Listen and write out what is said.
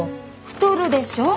太るでしょ？